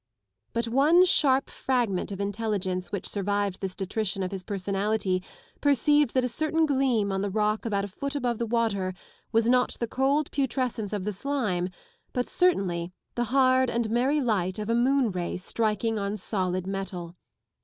But one sharp fragment of intelligence which survived this detrition of his personality perceived that a certain gleam on the rock about a foot above the water was not the cold putrescence of the slime, but certainly the hard and merry light of a moon ray striking on solid metal.